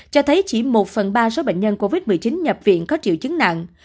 cho thấy chỉ một phần ba số bệnh nhân covid một mươi chín nhập viện có triệu chứng nặng